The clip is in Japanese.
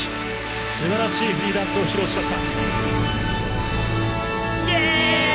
素晴らしいフリーダンスを披露しました。